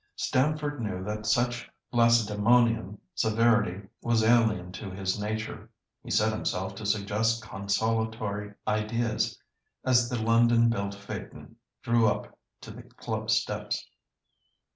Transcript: Stamford knew that such Lacedæmonian severity was alien to his nature. He set himself to suggest consolatory ideas as the London built phaeton drew up to the club steps.